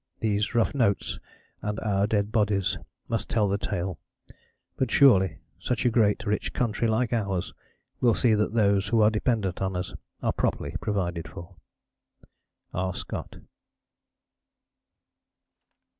These rough notes and our dead bodies must tell the tale, but surely, surely a great rich country like ours will see that those who are dependent on us are properly provided for. R. SCOTT.